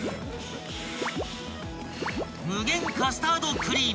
［無限カスタードクリーム］